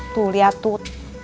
tuh liat tuh